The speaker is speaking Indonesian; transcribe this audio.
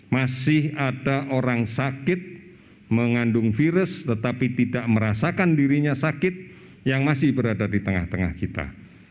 masih ada orang sakit mengandung virus tetapi tidak merasakan dirinya sakit yang masih berada di tengah tengah kita